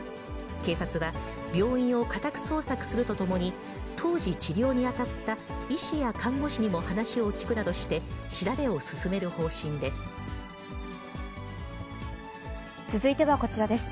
警察は病院を家宅捜索するとともに、当時、治療に当たった医師や看護師にも話を聴くなどして、調べを進める続いてはこちらです。